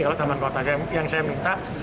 kalau taman kota yang saya minta